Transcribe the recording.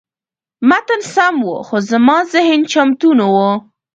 متن سم و، خو زما ذهن چمتو نه و.